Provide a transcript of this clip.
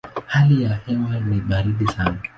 Hali ya hewa ni baridi sana.